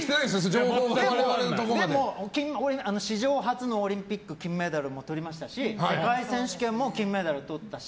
情報がでも、史上初のオリンピック金メダルもとりましたし世界選手権も金メダルとったし。